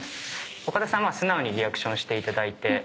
岡田さんは素直にリアクションしていただいて。